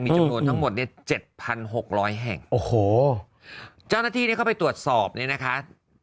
มีจำนวนทั้งหมด๗๖๐๐แห่งโอ้โหเจ้าหน้าที่ก็ไปตรวจสอบนี้นะคะ